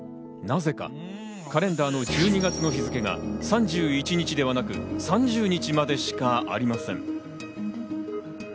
なぜかカレンダーの１２月の日付が３１日ではなく、３０日までしかありません。